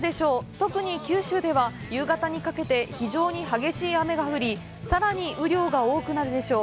特に九州では夕方にかけて非常に激しい雨が降り、さらに雨量が多くなるでしょう。